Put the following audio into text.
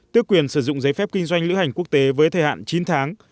tước quyền sử dụng giấy phép kinh doanh lữ hành quốc tế với thời hạn chín tháng